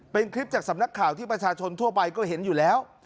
เป็นคลิปจากสำนักข่าวที่ประชาชนทั่วไปก็เห็นอยู่แล้ว